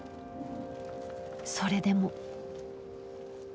それでも。